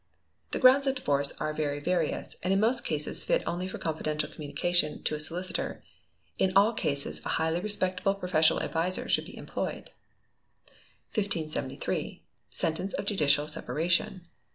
The grounds of divorce are very various, and in most cases fit only for confidential communication to a solicitor. In all cases a highly respectable professional adviser should be employed. 1573. Sentence of Judicial Separation.